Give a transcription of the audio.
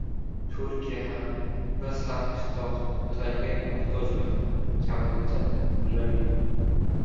Turkiya ham, biz ham ittifoqchilarga muhtojmiz – Kamoliddin Rabbimov